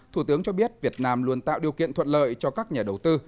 thủ tướng cho biết việt nam luôn tạo điều kiện thuận lợi cho các nhà đầu tư